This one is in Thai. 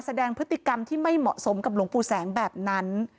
แสดงพฤติกรรมที่ไม่เหมาะสมกับหลวงปู่แสงแบบนั้น